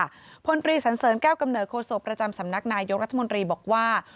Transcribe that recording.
พลตรีสันเสริญแก้วกำเนิดโศกประจำสำนักนายกรัฐมนตรีบอกว่า